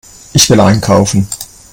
Ich will einkaufen.